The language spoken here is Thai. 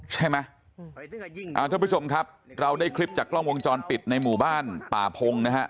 ท่านผู้ชมครับเราได้คลิปจากกล้องวงจรปิดในหมู่บ้านป่าพงนะฮะ